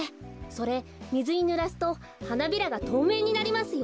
それみずにぬらすとはなびらがとうめいになりますよ。